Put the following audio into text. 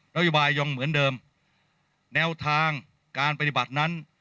โยบายยังเหมือนเดิมแนวทางการปฏิบัตินั้น